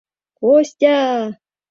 — Костя!..